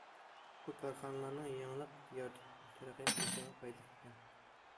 بۇ، كارخانىلارنىڭ يېڭىلىق يارىتىپ تەرەققىي قىلىشىغا پايدىلىق ئىكەن.